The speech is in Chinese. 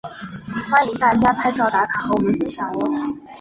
欢迎大家拍照打卡和我们分享喔！